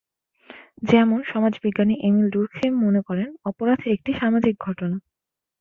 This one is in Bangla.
যেমন: সমাজবিজ্ঞানী এমিল ডুর্খেইম মনে করেন, অপরাধ একটি সামাজিক ঘটনা।